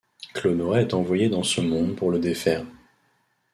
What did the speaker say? Klonoa est envoyé dans ce monde pour le défaire.